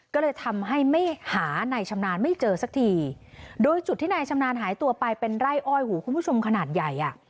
ก็เลยทำให้ไม่หานายชำนาญไม่เจอสักทีโดยจุดที่นายชำนาญหายตัวไปเป็นไร่อ้อยหูคุณผู้ชมขนาดใหญ่อ่ะ